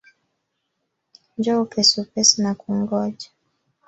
Njoo upesi upesi nakungoja.